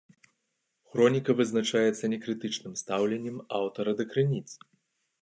Хроніка вызначаецца некрытычным стаўленнем аўтара да крыніц.